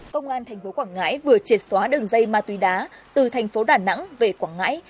công an tp quảng ngãi vừa triệt xóa đường dây ma túy đá từ thành phố đà nẵng về quảng ngãi